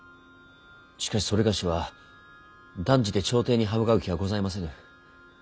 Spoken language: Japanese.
しかし某は断じて朝廷に刃向かう気はございませぬ。